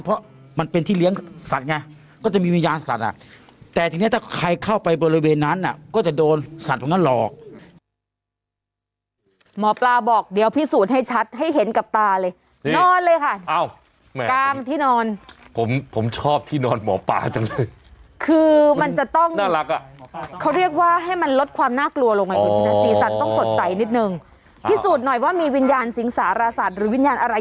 เพราะมันเป็นที่เลี้ยงสัตว์ไงก็จะมีวิญญาณสัตว์